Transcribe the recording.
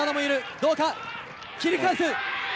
どうだ、切り返す。